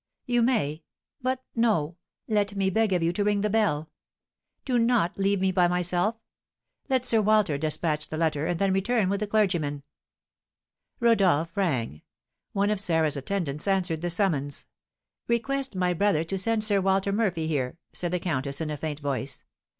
"You may, but no, let me beg of you to ring the bell; do not leave me by myself; let Sir Walter despatch the letter, and then return with the clergyman." Rodolph rang; one of Sarah's attendants answered the summons. "Request my brother to send Sir Walter Murphy here," said the countess, in a faint voice.